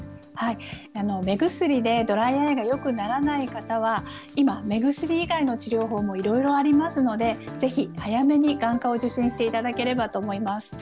目薬でドライアイがよくならない方は、今、目薬以外の治療法もいろいろありますので、ぜひ早めに眼科を受診していただければと思います。